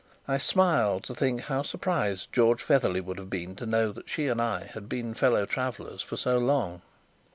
I smiled to think how surprised George Featherly would have been to know that she and I had been fellow travellers for so long.